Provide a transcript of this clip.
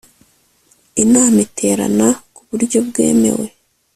inama iterana ku buryo bwemewe